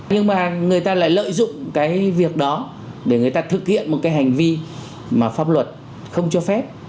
nhưng mà người ta lại lợi dụng cái việc đó để người ta thực hiện một cái hành vi mà pháp luật không cho phép